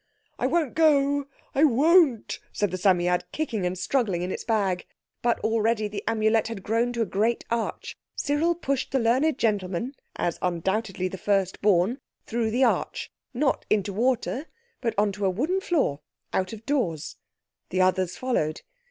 "I won't go. I won't," said the Psammead, kicking and struggling in its bag. But already the Amulet had grown to a great arch. Cyril pushed the learned gentleman, as undoubtedly the first born, through the arch—not into water, but on to a wooden floor, out of doors. The others followed.